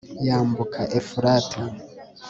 yambuka efurati